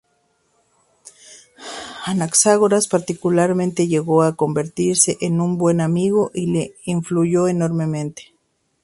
Anaxágoras particularmente llegó a convertirse en un buen amigo y le influyó enormemente.